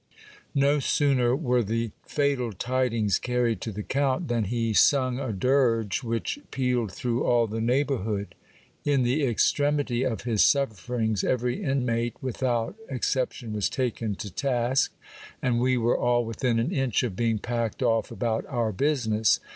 No sooner were the fatal tidings carried to the count, than he sung a dirge which pealed through 272 GIL BLAS. all the neighbourhood. In the extremity of his sufferings, every inmate without exception was taken to task, and we were all within an inch of being packed off about our business.